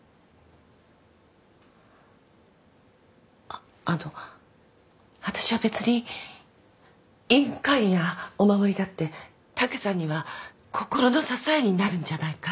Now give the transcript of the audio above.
あっあのわたしは別に印鑑やお守りだって武さんには心の支えになるんじゃないかって。